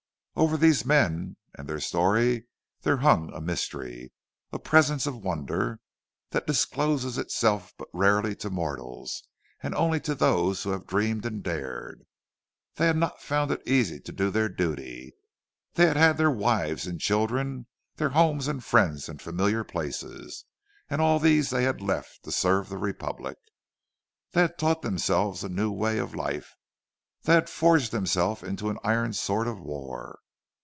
Over these men and their story there hung a mystery—a presence of wonder, that discloses itself but rarely to mortals, and only to those who have dreamed and dared. They had not found it easy to do their duty; they had had their wives and children, their homes and friends and familiar places; and all these they had left to serve the Republic. They had taught themselves a new way of life—they had forged themselves into an iron sword of war.